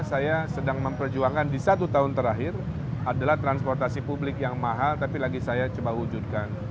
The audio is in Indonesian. saya sedang memperjuangkan di satu tahun terakhir adalah transportasi publik yang mahal tapi lagi saya coba wujudkan